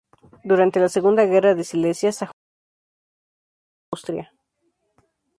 Durante la Segunda Guerra de Silesia, Sajonia se alió con Austria.